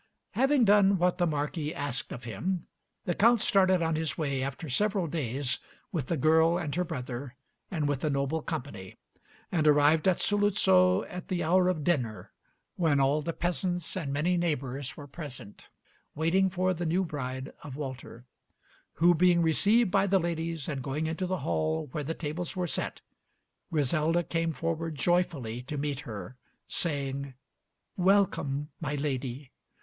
Having done what the Marquis asked of him, the Count started on his way after several days with the girl and her brother and with a noble company, and arrived at Saluzzo at the hour of dinner, when all the peasants and many neighbors were present waiting for the new bride of Walter; who being received by the ladies and going into the hall where the tables were set, Griselda came forward joyfully to meet her, saying, "Welcome, my lady."